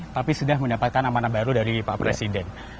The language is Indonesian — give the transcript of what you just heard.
tapi sudah mendapatkan amanah baru dari pak presiden